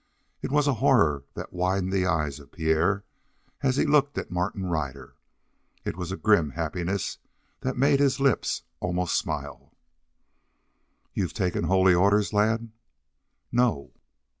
It was horror that widened the eyes of Pierre as he looked at Martin Ryder; it was a grim happiness that made his lips almost smile. "You've taken holy orders, lad?" "No."